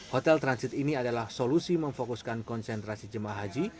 hotel transit ini adalah solusi memfokuskan konsentrasi jemaah haji